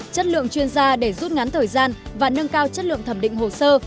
chất lượng chuyên gia để rút ngắn thời gian và nâng cao chất lượng thẩm định hồ sơ